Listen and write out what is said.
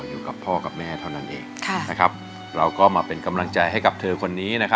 อยู่กับพ่อกับแม่เท่านั้นเองเราก็มาเป็นกำลังใจให้กับเธอคนนี้